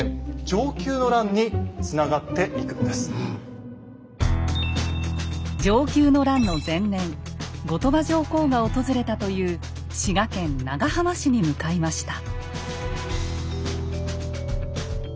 承久の乱の前年後鳥羽上皇が訪れたという滋賀県長浜市に向かいました。